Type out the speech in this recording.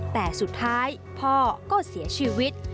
แต่สุดท้ายพ่อก็เสียชีวิต